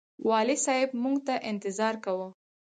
والي صاحب موږ ته انتظار کاوه.